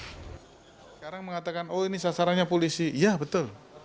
sekarang mengatakan oh ini sasarannya polisi iya betul